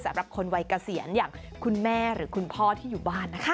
สำหรับคนวัยเกษียณอย่างคุณแม่หรือคุณพ่อที่อยู่บ้านนะคะ